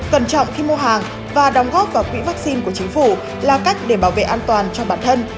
cẩn trọng khi mua hàng và đóng góp vào quỹ vaccine của chính phủ là cách để bảo vệ an toàn cho bản thân